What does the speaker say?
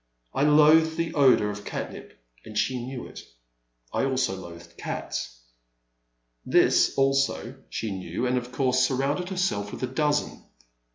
I loathed the odour of catnip and she knew it. I also loathed cats. This also she knew and of course surrounded herself with a dozen.